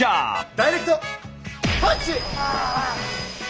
ダイレクト・パンチ！